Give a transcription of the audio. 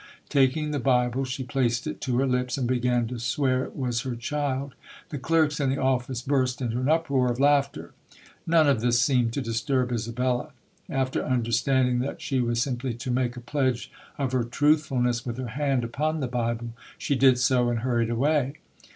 Taking the Bible, she placed it to her Hps and began to swear it was her chflcL The clerks in the office burst into an uproar of laugh .^~ ric ~~ UQDS seemed to disturb I sa After understanding that die was simply to make a pledge of her truthfulness with her hand upon :r/r Bihle. she i.i 5 : and hurried away.